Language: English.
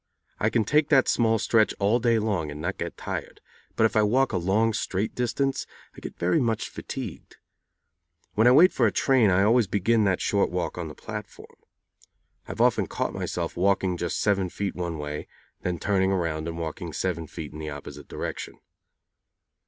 I can take that small stretch all day long and not be tired, but if I walk a long straight distance I get very much fatigued. When I wait for a train I always begin that short walk on the platform. I have often caught myself walking just seven feet one way, and then turning around and walking seven feet in the opposite direction.